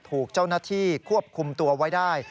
ถูกเจ้าหน้าที่ควบคุมตัวไว้ได้